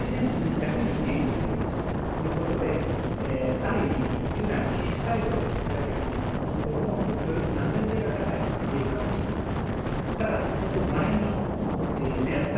ある意味従来の品種改良で作られてきたような作物よりもより安全性が高いといえるかもしれません。